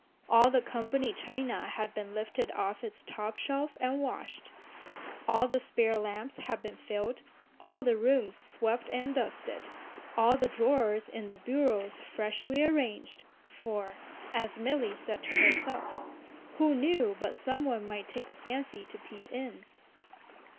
All the company china had been lifted off its top shelf and washed. All the spare lamps had been filled, all the rooms swept and dusted, all the drawers in the bureaus freshly arranged, for as Milly said to herself "who knew but some one might take a fancy to peep in?"